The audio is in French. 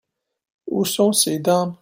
Où sont ces dames ?